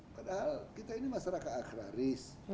padahal kita ini masyarakat agraris